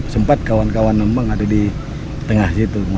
sempat kawan kawan nembang ada di tengah situ